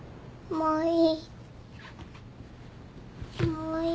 もういい。